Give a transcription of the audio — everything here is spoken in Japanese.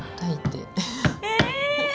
え！